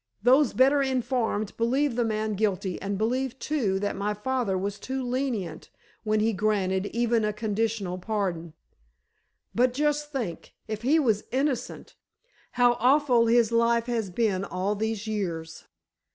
Those better informed believe the man guilty, and believe, too, that my father was too lenient when he granted even a conditional pardon." "But just think—if he was innocent—how awful his life has been all these years!